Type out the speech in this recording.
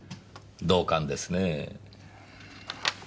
同感ですねぇ。